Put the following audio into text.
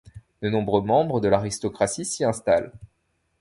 De nombreux membres de l'aristocratie s’y installent.